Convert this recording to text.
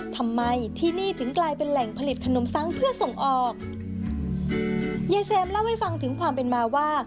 ทำไมที่นี่ถึงกลายเป็นแหล่งผลิตขนมซังเพื่อส่งออกยายเซมเล่าให้ฟังถึงความเป็นมาว่า